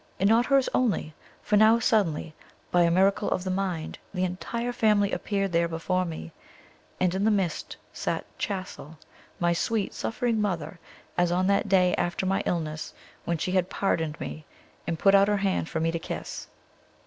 And not hers only, for now suddenly, by a miracle of the mind, the entire family appeared there before me; and in the midst sat Chastel, my sweet, suffering mother, as on that day after my illness when she had pardoned me, and put out her hand for me to kiss.